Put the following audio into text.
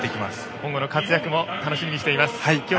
今後の活躍も楽しみにしています。